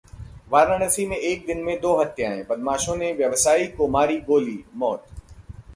वाराणसी में एक दिन में दो हत्याएं, बदमाशों ने व्यवसायी को मारी गोली, मौत